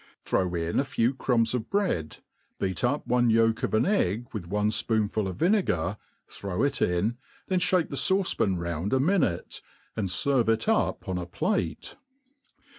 Throw in a few crumbs of bread, beat up one yolk of an egg with one fpoonful of vinegar, throw it in, then (hake the fauce*pan round a mi nute, and ferve it up on a plate.